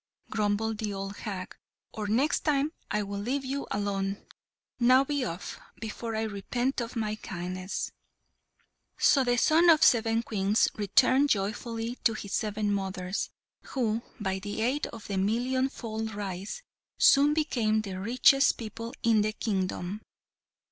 grumbled the old hag, "or next time I'll leave you alone. Now be off, before I repent of my kindness!" So the son of seven Queens returned joyfully to his seven mothers, who, by the aid of the million fold rice, soon became the richest people in the kingdom.